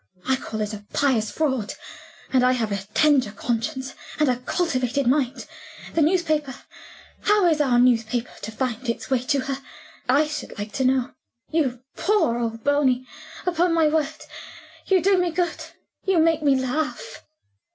I call it a pious fraud. And I have a tender conscience, and a cultivated mind. The newspaper? How is our newspaper to find its way to her, I should like to know? You poor old Bony! Upon my word you do me good you make me laugh."